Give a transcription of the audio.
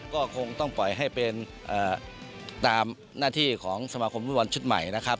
ก็คงต้องปล่อยให้เป็นตามหน้าที่ของสมาคมฟุตบอลชุดใหม่นะครับ